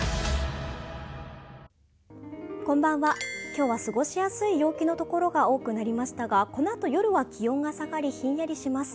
今日は過ごしやすい陽気のところが多くなりましたが、このあと夜は気温が下がりひんやりします。